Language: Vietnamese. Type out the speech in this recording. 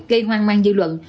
gây hoang mang dư luận